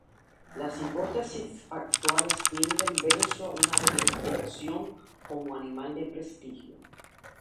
Las hipótesis actuales tienden verso una domesticación como animal de prestigio.